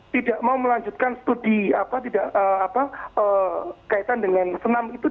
tidak mau melanjutkan studi kaitan dengan senam itu